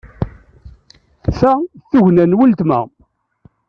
Ta d tugna n weltma.